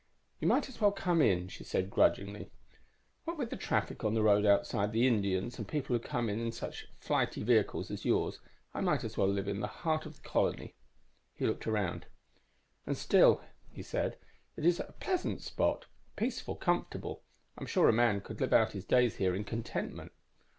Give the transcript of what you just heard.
_ _"You might as well come in," she said grudgingly. "What with the traffic on the road outside, the Indians, and people who come in such flighty vehicles as yours, I might as well live in the heart of the colony."_ _He looked around. "And still," he said, "it is a pleasant spot peaceful, comfortable. I'm sure a man could live out his days here in contentment."